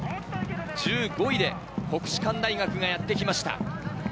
１５位で国士舘大学がやってきました。